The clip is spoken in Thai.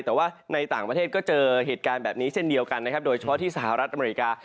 แต่ว่าในต่างประเทศก็เจอเหตุการณ์แบบนี้เช่นเดียวกันนะครับโดยเฉพาะที่สหรัฐอเมริกา